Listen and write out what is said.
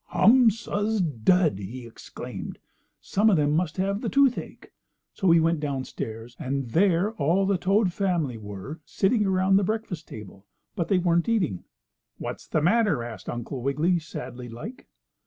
"Hum! Suz! Dud!" he exclaimed, "some of them must have the toothache." So he went down stairs, and there all the toad family were sitting around the breakfast table, but they weren't eating. "What's the matter?" asked Uncle Wiggily, sadly like.